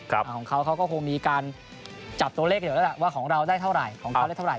ของเขาก็คงมีการจับตัวเลขเดี๋ยวว่าของเราได้เท่าไหร่ของเขาได้เท่าไหร่